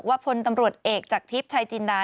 ว่าพลตำรวจเอกจากทฤทธิ์ชายจินดา